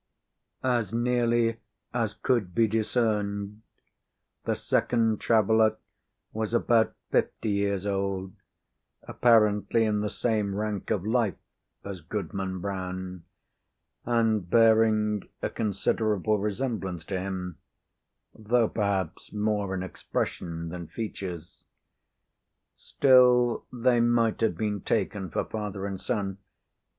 As nearly as could be discerned, the second traveller was about fifty years old, apparently in the same rank of life as Goodman Brown, and bearing a considerable resemblance to him, though perhaps more in expression than features. Still they might have been taken for father and son.